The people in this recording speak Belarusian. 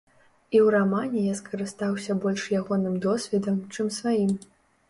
І ў рамане я скарыстаўся больш ягоным досведам, чым сваім.